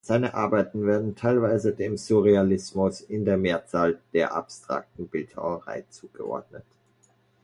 Seine Arbeiten werden teilweise dem Surrealismus, in der Mehrzahl der abstrakten Bildhauerei zugeordnet.